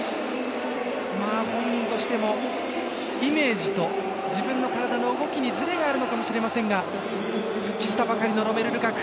本人としてもイメージと自分の体の動きにずれがあるのかもしれませんが復帰したばかりのロメル・ルカク。